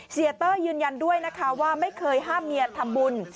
เสียเต้ยยืนยันด้วยนะคะว่าไม่เคยห้ามเมียทำบุญ